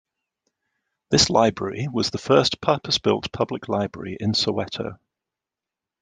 This library was the first purpose built public library in Soweto.